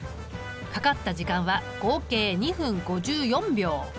かかった時間は合計２分５４秒。